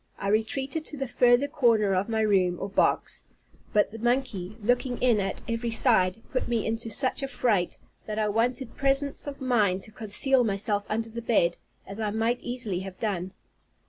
I retreated to the further corner of my room, or box; but the monkey, looking in at every side, put me into such a fright, that I wanted presence of mind to conceal myself under the bed, as I might easily have done.